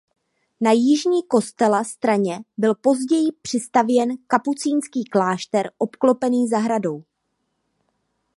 Na jižní kostela straně byl později přistavěn kapucínský klášter obklopený zahradou.